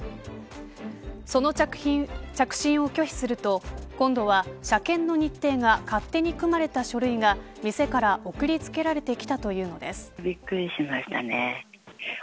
その着信を拒否すると今度は車検の日程が勝手に組まれた書類が店から送りつけられてきたというのです。